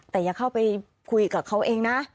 แต่อย่าเข้าไปคุยกับเขาเองนะ